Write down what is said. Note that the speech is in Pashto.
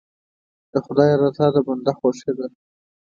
د خدای رضا د بنده خوښي ده.